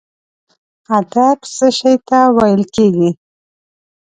ادب څه شي ته ویل کیږي؟